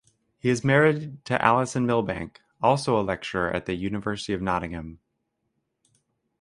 He is married to Alison Milbank, also a lecturer at the University of Nottingham.